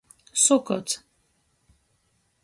Sukots.